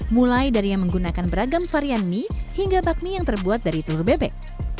mulai dari yang menggunakan beragam varian mie hingga bakmi yang terbuat dari telur bebek